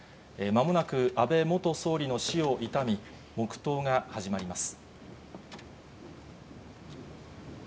まもなく安倍元総理の死を悼み、黙とうが始まります。